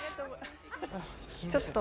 ちょっと。